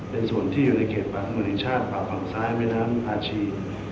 เป็นส่วนที่อยู่ในเขตป่าสงวนแห่งชาติป่าฝั่งซ้ายแม่น้ำอาชี